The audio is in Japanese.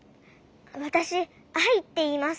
わたしアイっていいます。